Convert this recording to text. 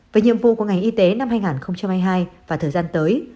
về nhiệm vụ của ngành y tế năm hai nghìn hai mươi hai và thời gian tới